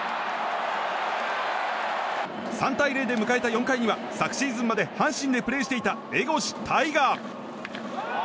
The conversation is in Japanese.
３対０で迎えた４回には昨シーズンまで阪神でプレーしていた江越大賀。